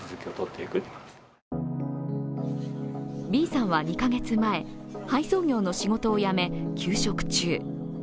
Ｂさんは２カ月前配送業の仕事を辞め、求職中。